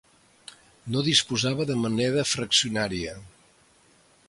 No disposava de moneda fraccionària.